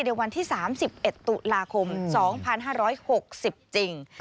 ในวันที่๓๑ตุลาคม๒๕๖๐จริง